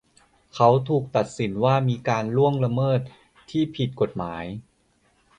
เขาถูกตัดสินว่ามีการล่วงละเมิดที่ผิดกฎหมาย